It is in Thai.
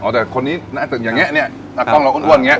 อ๋อแต่คนนี้หน้าจึงอย่างเงี้ยเนี้ยนักกล้องเราอ้วนอ้วนอย่างเงี้ย